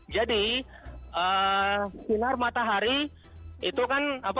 jadi sinar matahari itu kan apa